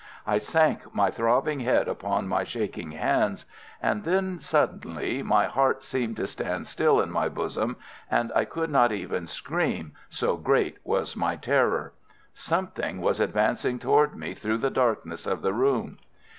I sank my throbbing head upon my shaking hands. And then, suddenly, my heart seemed to stand still in my bosom, and I could not even scream, so great was my terror. Something was advancing toward me through the darkness of the room.